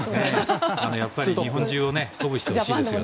やはり日本中を鼓舞してほしいですよね。